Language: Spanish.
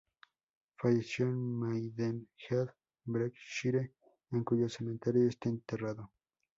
Falleció en Maidenhead, Berkshire, en cuyo cementerio está enterrado.